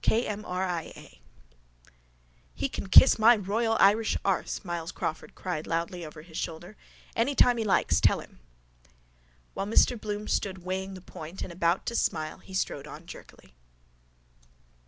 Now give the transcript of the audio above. K.M.R.I.A. —He can kiss my royal Irish arse, Myles Crawford cried loudly over his shoulder. Any time he likes, tell him. While Mr Bloom stood weighing the point and about to smile he strode on jerkily.